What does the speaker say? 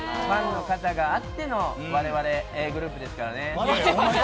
ファンの方があっての我々、グループですからね。